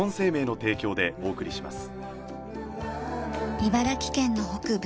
茨城県の北部